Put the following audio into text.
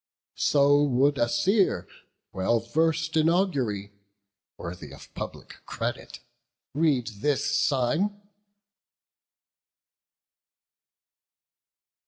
So would a seer, well vers'd in augury, Worthy of public credit, read this sign."